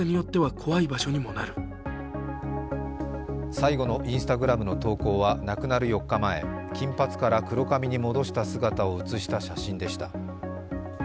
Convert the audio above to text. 最後のＩｎｓｔａｇｒａｍの投稿は亡くなる４日前、金髪から黒髪に戻した姿を写した写真でした。